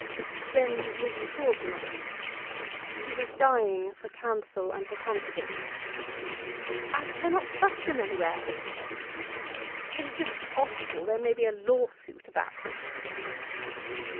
Then Lizzie paused a moment. She was dying for counsel and for confidence. "I cannot trust them anywhere," she said. "It is just possible there may be a lawsuit about them."